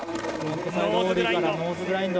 ノーズグラインド。